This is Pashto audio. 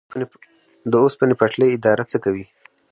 د اوسپنې پټلۍ اداره څه کوي؟